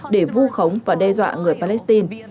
để vu khống và đe dọa người palestine